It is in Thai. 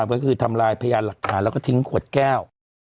ก็คือทำลายพยานหลักฐานแล้วก็ทิ้งขวดแก้ว